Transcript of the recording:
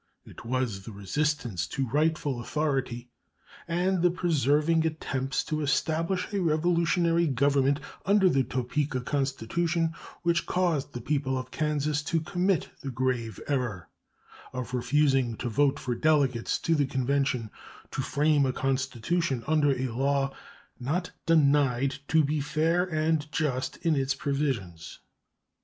It was the resistance to rightful authority and the persevering attempts to establish a revolutionary government under the Topeka constitution which caused the people of Kansas to commit the grave error of refusing to vote for delegates to the convention to frame a constitution under a law not denied to be fair and just in its provisions.